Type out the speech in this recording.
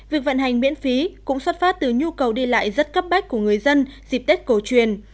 việc vận hành miễn phí cũng xuất phát từ nhu cầu đi lại rất cấp bách của người dân dịp tết cổ truyền